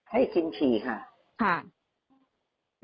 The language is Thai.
ให้กินฉี่ค่ะ